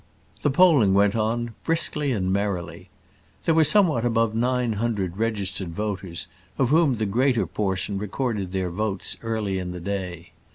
The polling went on briskly and merrily. There were somewhat above nine hundred registered voters, of whom the greater portion recorded their votes early in the day.